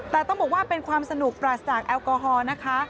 แต่ต้องบอกว่าเป็นความสนุกปราศจากแอลกอฮอล์นะคะ